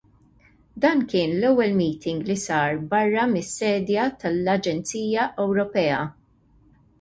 Dan kien l-ewwel meeting li sar barra mis-sedja tal-Aġenzija Ewropea.